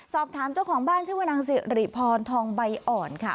สอบถามเจ้าของบ้านชื่อว่านางสิริพรทองใบอ่อนค่ะ